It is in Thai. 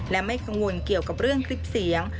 และไม่กังวลเกี่ยวกับเรื่องคลิปเสียง